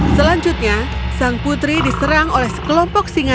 selanjutnya sang putri diserang oleh sekelompok singa